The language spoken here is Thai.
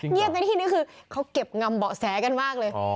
เงียบในที่นี้คือเขาเก็บงำเบาะแสกันมากเลย